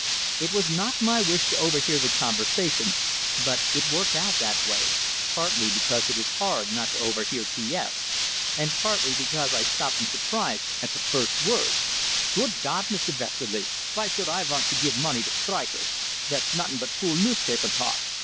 It was not my wish to overhear the conversation, but it worked out that way, partly because it is hard not to overhear T S, and partly because I stopped in surprise at the first words: "Good Gawd, Mr. Vesterly, vy should I vant to give money to strikers? Dat's nuttin' but fool newspaper talk.